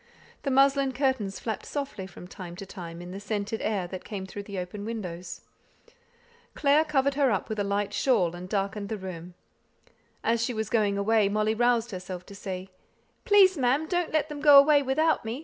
The muslin curtains flapped softly from time to time in the scented air that came through the open windows. Clare covered her up with a light shawl, and darkened the room. As she was going away Molly roused herself to say, "Please, ma'am, don't let them go away without me.